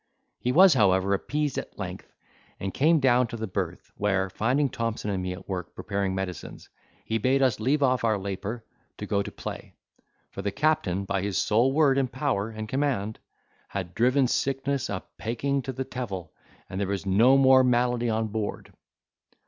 He was, however appeased at length, and came down to the berth, where, finding Thompson and me at work preparing medicines, he bade us leave off our lapour to go to play, for the captain, by his sole word, and power, and command, had driven sickness a pegging to the tevil, and there was no more malady on board.